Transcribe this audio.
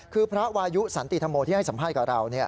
คือพระวายุสันติธรรมโมที่ให้สัมภาษณ์กับเรา